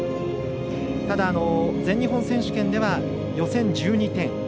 ただ、全日本選手権では予選１２点。